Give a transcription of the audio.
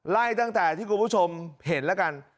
ไล่ตั้งแต่ที่คุณผู้ชมเห็นแล้วกัน